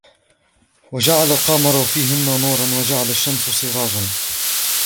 وجعل القمر فيهن نورا وجعل الشمس سراجا